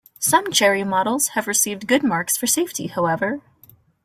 Some Chery models have received good marks for safety, however.